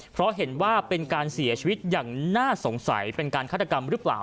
เพราะเห็นว่าเป็นการเสียชีวิตอย่างน่าสงสัยเป็นการฆาตกรรมหรือเปล่า